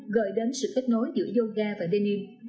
gợi đến sự kết nối giữa yoga và denims